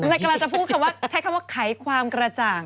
ใช่กำลังจะพูดถ้าคำว่าขายความกระจ่าง